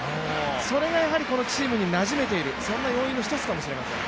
それがこのチームになじめているそんな要因の一つかもしれません。